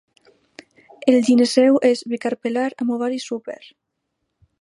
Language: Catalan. El gineceu és bicarpel·lar amb ovari súper.